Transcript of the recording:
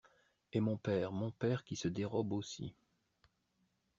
Et mon père, mon père qui se dérobe aussi!